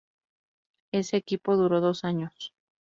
Ese equipo duró dos años.